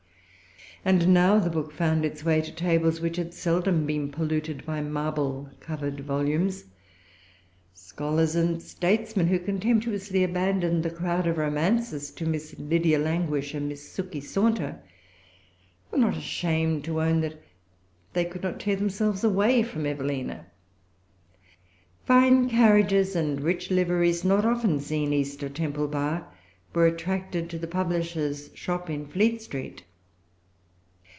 And now the book found its way to tables which had seldom been polluted by marble covered volumes. Scholars and statesmen, who contemptuously abandoned the crowd of romances to Miss Lydia Languish and Miss Sukey Saunter, were not ashamed to own that they could not tear themselves away from Evelina. Fine carriages and rich liveries, not often seen east of Temple Bar, were attracted to the publisher's shop in Fleet Street.